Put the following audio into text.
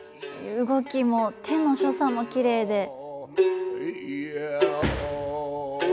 動きも手の所作もきれいで。